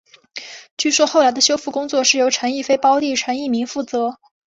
据说后来的修复工作是由陈逸飞胞弟陈逸鸣负责。